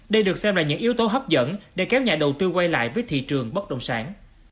đây được xem là những yếu tố hấp dẫn để kéo nhà đầu tư quay lại với thị trường bất động sản